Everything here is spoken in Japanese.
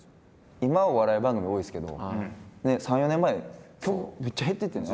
今お笑い番組多いですけど３４年前むっちゃ減っていっててんな。